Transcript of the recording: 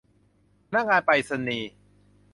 พนักงานไปรษณีย์